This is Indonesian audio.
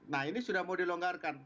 nah ini sudah mau dilonggarkan